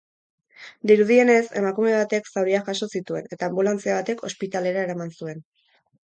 Dirudienez, emakume batek zauriak jaso zituen eta anbulatzia batek ospitalera eraman zuen.